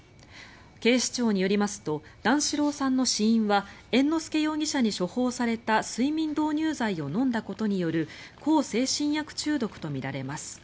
警視庁によりますと段四郎さんの死因は猿之助容疑者に処方された睡眠導入剤を飲んだことによる向精神薬中毒とみられます。